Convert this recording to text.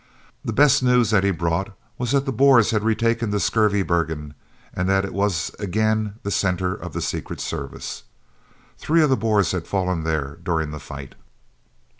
The best news he brought was that the Boers had retaken the Skurvebergen and that it was again the centre of the Secret Service. Three of the Boers had fallen there during the fight.